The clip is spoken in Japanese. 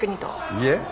いえ。